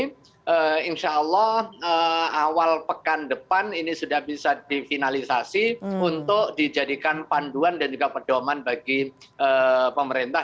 jadi insya allah awal pekan depan ini sudah bisa difinalisasi untuk dijadikan panduan dan juga pedoman bagi pemerintah